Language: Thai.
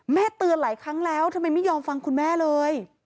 เตือนหลายครั้งแล้วทำไมไม่ยอมฟังคุณแม่เลย